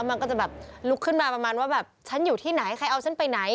มันก็จะแบบลุกขึ้นมาประมาณว่าแบบฉันอยู่ที่ไหนใครเอาฉันไปไหน